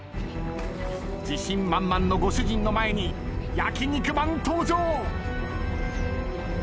自信満々のご主人の前に焼肉マン登場。